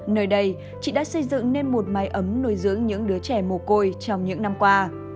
nơi đây chị đã xây dựng nên một mái ấm nuôi dưỡng những đứa trẻ mồ côi trong những năm qua